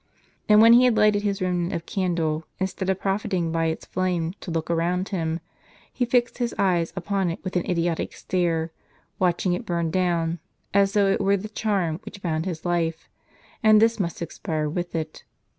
And when he had lighted his remnant of candle, instead of profiting by its flame to look around him, he fixed his eyes upon it with an idiotic stare, watching it burn down, as though it were the charm which bound his life, and this must expire with it.